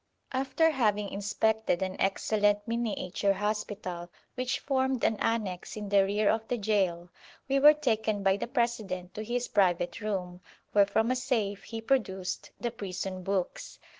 After having inspected an excellent miniature hospital which formed an annexe in the rear of the gaol, we were taken by the President to his private room, where from a safe he produced the prison books.